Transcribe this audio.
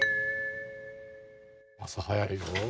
朝早いよ。